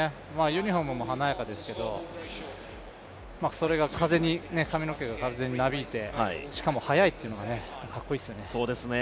ユニフォームも華やかですけど髪の毛が風になびいて、しかも速いというのはかっこいいですよね。